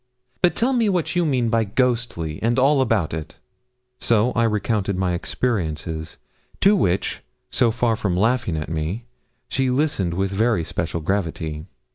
But tell me what you mean by ghosty, and all about it.' So I recounted my experiences, to which, so far from laughing at me, she listened with very special gravity.